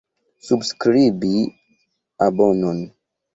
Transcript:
Subskribi abonon.